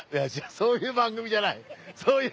そういう番組じゃない。